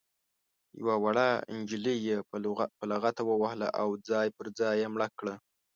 یوه وړه نجلۍ یې په لغته ووهله او ځای پر ځای یې مړه کړه.